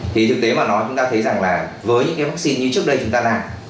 thì thực tế mà nói chúng ta thấy rằng là với những cái vaccine như trước đây chúng ta làm